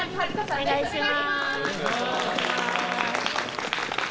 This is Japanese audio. お願いします。